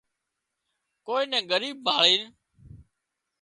ڪوئي نين ڳريٻ ڀاۯينَ